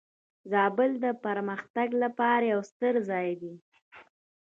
زابل د پرمختګ لپاره یو ستر ځای دی.